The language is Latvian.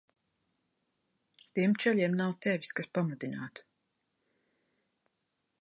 Tiem čaļiem nav tevis, kas pamudinātu.